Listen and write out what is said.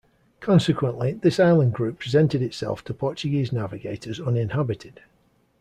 Consequently, this island group presented itself to Portuguese navigators uninhabited.